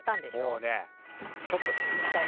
もうねちょっと引いたね。